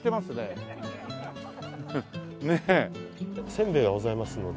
せんべいがございますので。